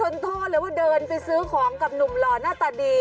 ท่อเลยว่าเดินไปซื้อของกับหนุ่มหล่อหน้าตาดี